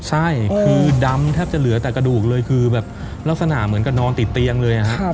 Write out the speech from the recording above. ใช่คือดำแทบจะเหลือแต่กระดูกเลยคือแบบลักษณะเหมือนกับนอนติดเตียงเลยนะครับ